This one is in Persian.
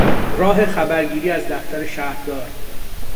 راه خبرگیری از دفتر شهردار